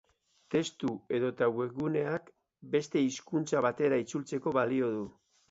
Testu edota webguneak beste hizkuntza batera itzultzeko balio du.